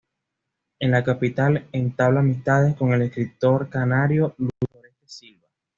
En la capital entabla amistad con el escritor canario Luis Doreste Silva.